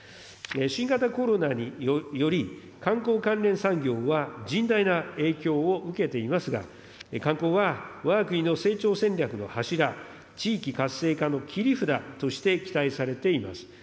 新型コロナにより、観光関連産業は甚大な影響を受けていますが、観光はわが国の成長戦略の柱、地域活性化の切り札として期待されています。